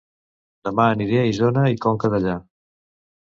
Dema aniré a Isona i Conca Dellà